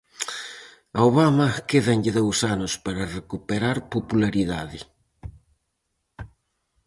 A Obama quédanlle dous anos para recuperar popularidade.